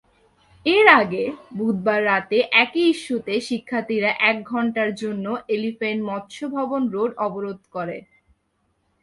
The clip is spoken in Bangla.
এর আগে, বুধবার রাতে একই ইস্যুতে শিক্ষার্থীরা এক ঘণ্টার জন্য এলিফ্যান্ট-মৎস্য ভবন রোড অবরোধ করে।